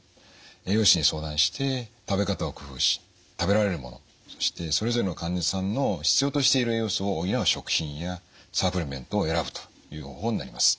栄養士に相談して食べ方を工夫し食べられるものそしてそれぞれの患者さんの必要としている栄養素を補う食品やサプリメントを選ぶという方法になります。